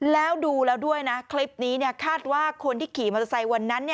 แล้วดูแล้วด้วยนะคลิปนี้คาดว่าคนที่ขี่มอเตอร์ไซค์วันนั้น